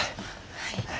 はい。